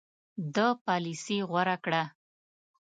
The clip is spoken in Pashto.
ده پالیسي غوره کړه.